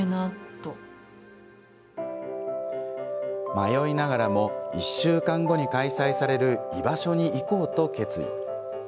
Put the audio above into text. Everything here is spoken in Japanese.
迷いながらも、１週間後に開催される居場所に行こうと決意。